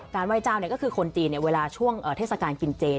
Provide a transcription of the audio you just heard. ไหว้เจ้าก็คือคนจีนเวลาช่วงเทศกาลกินเจน